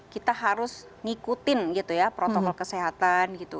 kita harus ngikutin gitu ya protokol kesehatan gitu